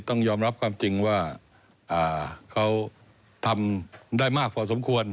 ต้องยอมรับความจริงว่าเขาทำได้มากพอสมควร